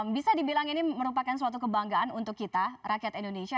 bisa dibilang ini merupakan suatu kebanggaan untuk kita rakyat indonesia